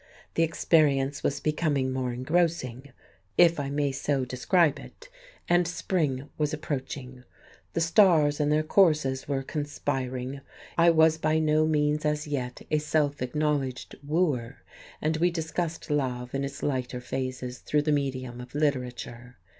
The experience was becoming more engrossing, if I may so describe it, and spring was approaching. The stars in their courses were conspiring. I was by no means as yet a self acknowledged wooer, and we discussed love in its lighter phases through the medium of literature.